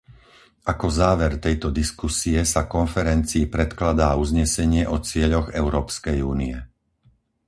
Ako záver tejto diskusie sa konferencii predkladá uznesenie o cieľoch Európskej únie.